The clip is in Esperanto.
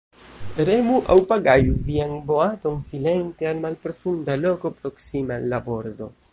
Remu aŭ pagaju vian boaton silente al malprofunda loko proksime al la bordo.